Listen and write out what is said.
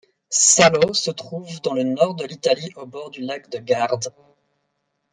Salò se trouve dans le nord de l'Italie au bord du lac de Garde.